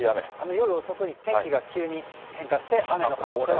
夜遅くに天気が急に変化して雨の可能性はあります。